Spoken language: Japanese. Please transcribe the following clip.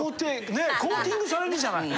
コーティングされるじゃない。